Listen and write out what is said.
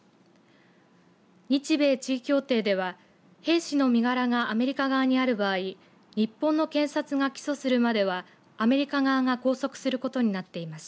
日米地位協定では兵士の身柄がアメリカ側にある場合日本の検察が起訴するまではアメリカ側が拘束することになっています。